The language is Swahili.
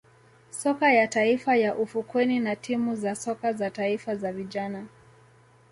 soka ya taifa ya ufukweni na timu za soka za taifa za vijana